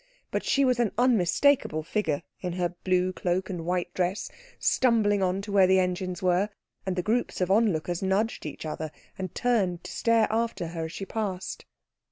But she was an unmistakable figure in her blue cloak and white dress, stumbling on to where the engines were; and the groups of onlookers nudged each other and turned to stare after her as she passed.